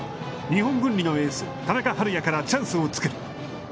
日本文理のエース田中晴也からチャンスを作る。